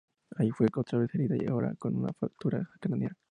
Allí fue otra vez herida, ahora con una fractura craneal.